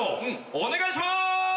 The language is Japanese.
お願いします。